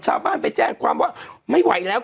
ชาวบ้านไปแจ้งความว่าไม่ไหวแล้ว